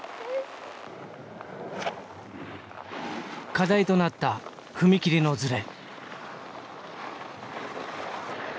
課題となった踏み切りのズレ。